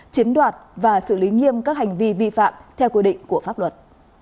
chiếm đoạt và xử lý nghiêm các hành vi vi phạm theo quy định của pháp luật